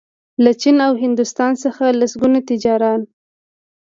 له چین او هندوستان څخه لسګونه تجاران